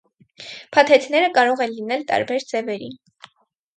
Փաթեթները կարող են լինել տարբեր ձևերի։